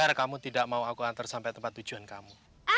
biar kamu tidak mau aku antar sampai tempat tujuan kamu